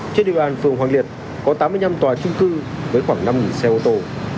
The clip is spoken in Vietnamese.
trên địa bàn phường hoàng liệt có tám mươi năm tòa trung cư với khoảng năm xe ô tô